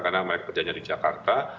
karena mereka kerjanya di jakarta